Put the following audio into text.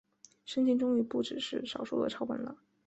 圣经终于不只是少数的抄本了。